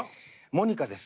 モニカです。